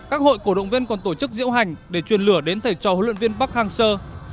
các hội cổ động viên còn tổ chức diễu hành để truyền lửa đến thầy trò huấn luyện viên park hang seo